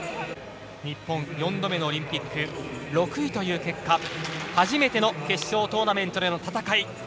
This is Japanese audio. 日本４度目のオリンピック６位という結果初めての決勝トーナメントでの戦い。